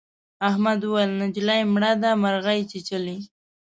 احمد وويل: نجلۍ مړه ده مرغۍ چیچلې.